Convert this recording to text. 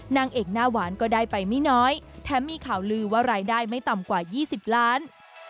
นางเอกหน้าหวานก็ได้ไปไม่น้อยแถมมีข่าวลือว่ารายได้ไม่ต่ำกว่า๒๐ล้าน